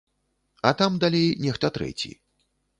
А там далей нехта трэці.